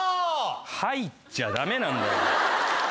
入っちゃ駄目なんだよ。